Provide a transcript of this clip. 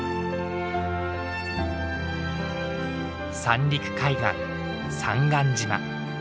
三陸海岸三貫島。